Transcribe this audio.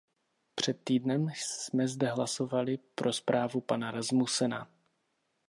Před týdnem jsme zde hlasovali pro zprávu pana Rasmussena.